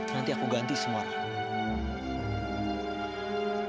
nanti aku ganti semua